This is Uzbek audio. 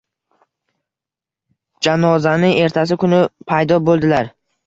Janozani ertasi kuni paydo boʻldilar.